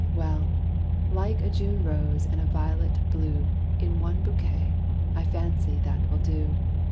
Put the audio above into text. Well like a June rose and a violet blue In one bouquet! I fancy that will do.